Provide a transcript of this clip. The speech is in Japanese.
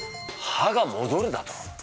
歯がもどるだと？